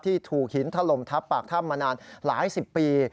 ถูกหินถล่มทับปากถ้ำมานานหลายสิบปี